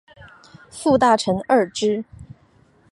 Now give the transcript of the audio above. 副大臣贰之。